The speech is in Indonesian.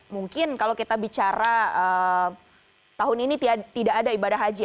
mungkin kalau kita bicara tahun ini tidak ada ibadah haji